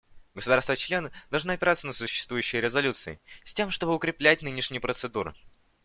Государства-члены должны опираться на существующие резолюции, с тем чтобы укреплять нынешние процедуры.